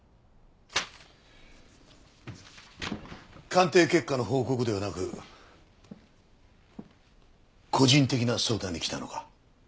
鑑定結果の報告ではなく個人的な相談に来たのか？